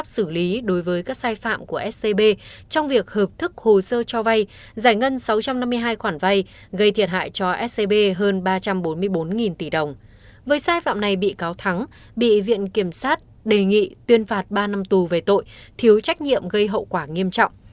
với sai phạm này bị cáo thắng bị viện kiểm sát đề nghị tuyên phạt ba năm tù về tội thiếu trách nhiệm gây hậu quả nghiêm trọng